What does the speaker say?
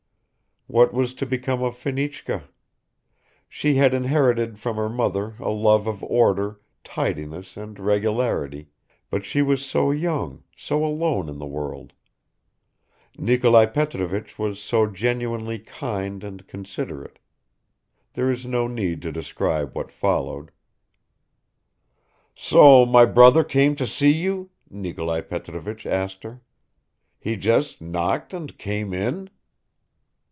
What was to become of Fenichka? She had inherited from her mother a love of order, tidiness and regularity, but she was so young, so alone in the world; Nikolai Petrovich was so genuinely kind and considerate ... There is no need to describe what followed ... "So my brother came to see you?" Nikolai Petrovich asked her. "He just knocked and came in?"